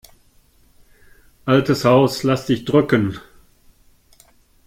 Altes Haus, lass dich drücken!